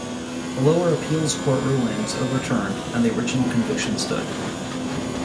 The lower Appeals Court's ruling was overturned and the original conviction stood.